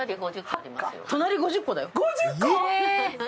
隣、５０個だよ。